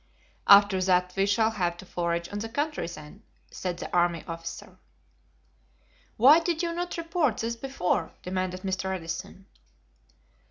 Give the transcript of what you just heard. "After that we shall have to forage on the country, then," said the army officer. "Why did you not report this before?" demanded Mr. Edison.